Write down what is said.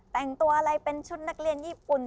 แต่งตัวอะไรเป็นชุดนักเรียนญี่ปุ่น